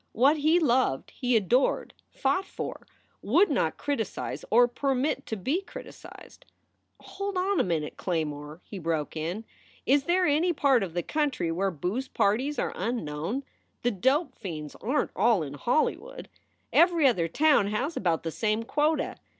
What he loved he adored, fought for, would not criticize or permit to be criticized. "Hold on a minute, Claymore," he broke in. "Is there any part of the country where booze parties are unknown? The dope fiends aren t all in Hollywood. Every other town has about the same quota.